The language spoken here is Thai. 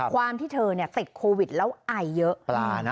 ความที่เธอติดโควิดแล้วไอเยอะ